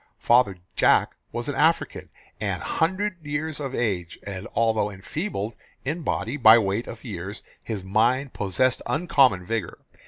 Father Jack was an African, an hundred years of age, and although enfeebled in body by weight of years, his mind possessed uncommon vigour.